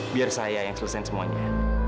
biar saya yang selesai semuanya